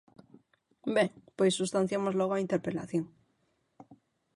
Ben, pois substanciamos logo a interpelación.